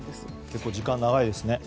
結構、時間、長いですね。